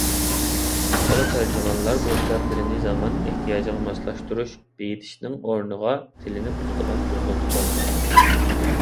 «چالا تەرجىمان»لار بولسا تىلىنى زامان ئىھتىياجىغا ماسلاشتۇرۇش، بېيتىشنىڭ ئورنىغا تىلىنى بۇزىدىغان بۇزغۇنچىلاردۇر.